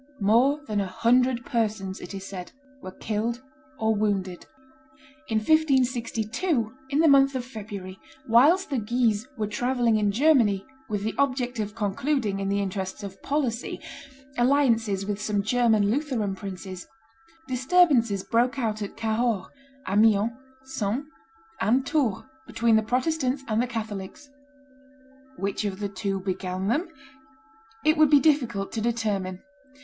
More than a hundred persons, it is said, were killed or wounded. [Illustration: Massacre of Protestants 305] In 1562, in the month of February, whilst the Guises were travelling in Germany, with the object of concluding, in the interests of policy, alliances with some German Lutheran princes, disturbances broke out at Cahors, Amiens, Sens, and Tours, between the Protestants and the Catholics. Which of the two began them? It would be difficult to determine.